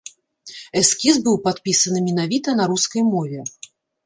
Эскіз быў падпісаны менавіта на рускай мове.